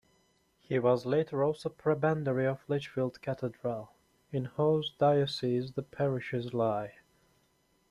He was later also Prebendary of Lichfield Cathedral, in whose diocese the parishes lie.